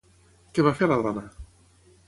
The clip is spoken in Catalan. Què va fer la dona?